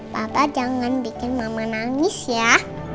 papa jangan bikin mama nangis ya